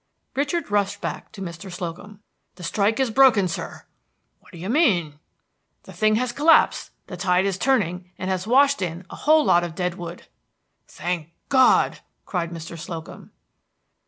Richard rushed back to Mr. Slocum. "The strike is broken, sir!" "What do you mean?" "The thing has collapsed! The tide is turning, and has washed in a lot of dead wood!" "Thank God!" cried Mr. Slocum.